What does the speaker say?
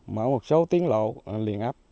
mở một số tiến lộ liền ấp